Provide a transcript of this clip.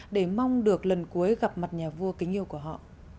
để mong được lần cuối gặp mặt nhà vua kính yêu của họ